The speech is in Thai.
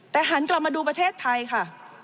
แต่หันกลับมาดูประเทศไทยค่ะ